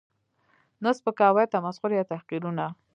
، نه سپکاوی، تمسخر یا تحقیرونه